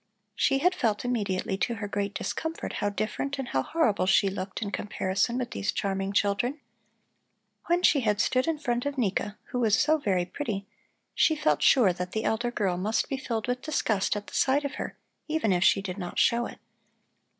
She had felt immediately to her great discomfort how different and how horrible she looked in comparison with these charming children. When she had stood in front of Nika, who was so very pretty, she felt sure that the elder girl must be filled with disgust at the sight of her, even if she did not show it.